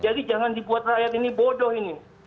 jadi jangan dibuat rakyat ini bodoh ini